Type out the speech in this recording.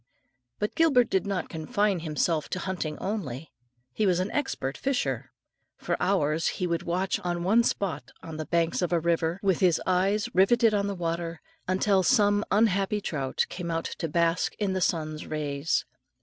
But Gilbert did not confine himself to hunting only; he was an expert fisher. For hours he would watch at one spot on the banks of a river, with his eyes riveted on the water, until some unhappy trout came out to bask in the sun's rays.